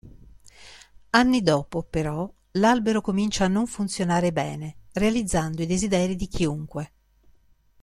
Anni dopo, però, l'albero comincia a non funzionare bene, realizzando i desideri di chiunque.